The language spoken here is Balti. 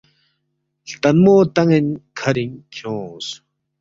ہلتنمو تان٘ین کھرِنگ کھیونگس